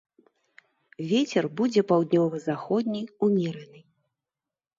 Вецер будзе паўднёва-заходні ўмераны.